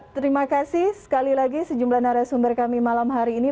terima kasih sekali lagi sejumlah narasumber kami malam hari ini